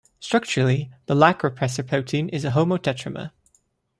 Structurally, the "lac" repressor protein is a homo-tetramer.